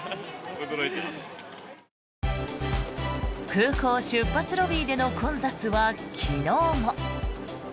空港出発ロビーでの混雑は昨日も。